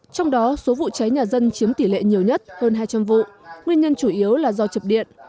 trong đó số vụ cháy nhà dân chiếm tỷ lệ nhiều nhất hơn hai trăm linh vụ nguyên nhân chủ yếu là do chập điện